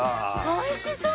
おいしそう！